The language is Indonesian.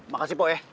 makasih pok ya